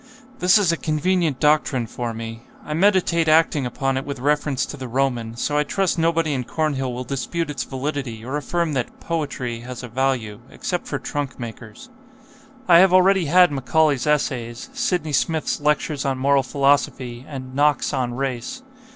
This is a convenient doctrine for me I meditate acting upon it with reference to the Roman, so I trust nobody in Cornhill will dispute its validity or affirm that 'poetry' has a value, except for trunk makers. "I have already had 'Macaulay's Essays,' 'Sidney Smith's Lectures on Moral Philosophy,' and 'Knox on Race.'